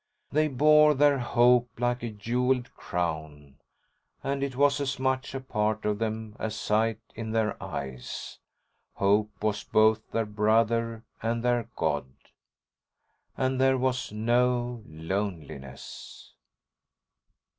They bore their hope like a jeweled crown, and it was as much a part of them as sight in their eyes. Hope was both their brother and their god. And there was no loneliness.